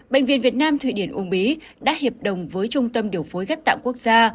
bệnh viện việt nam thụy điển ung bí đã hiệp đồng với trung tâm điều phối ghép tạng quốc gia